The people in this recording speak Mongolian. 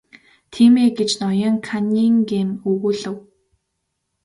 Тийм ээ гэж ноён Каннингем өгүүлэв.